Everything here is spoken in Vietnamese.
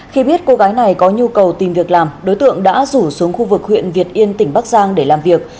khi biết cô gái này có nhu cầu tìm việc làm đối tượng đã rủ xuống khu vực huyện việt yên tỉnh bắc giang để làm việc